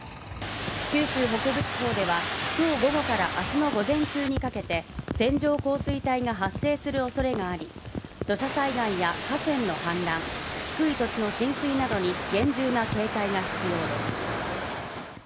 九州北部地方では、明日の午前中にかけて線状降水帯が発生する恐れがあり土砂災害や河川の氾濫低い土地の浸水などに厳重な警戒が必要です